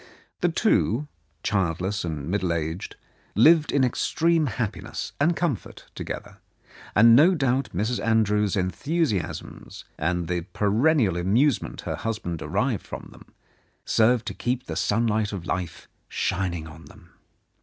The two, childless and middle aged, lived in extreme happiness and comfort together, and no doubt Mrs. Andrews's enthusiasms, and the peren nial amusement her husband derived from them, served to keep the sunlight of life shining on them.